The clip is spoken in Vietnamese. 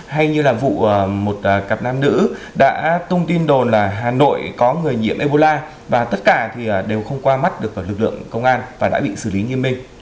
hay như là vụ một cặp nam nữ đã tung tin đồn là hà nội có người nhiễm ebola và tất cả thì đều không qua mắt được lực lượng công an và đã bị xử lý nghiêm minh